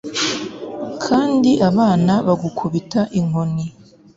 Kandi abana bagukubita inkoni